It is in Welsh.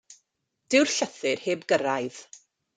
Dyw'r llythyr heb gyrraedd.